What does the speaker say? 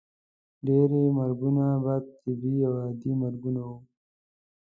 ډیری مرګونه به طبیعي او عادي مرګونه وو.